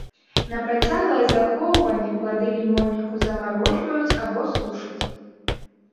На працяглае захоўванне плады лімонніку замарожваюць або сушаць.